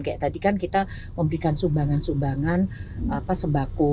kayak tadi kan kita memberikan sumbangan sumbangan sembako